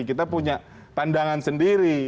kita punya pandangan sendiri